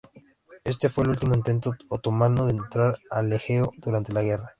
Este fue el último intento otomano de entrar al Egeo durante la guerra.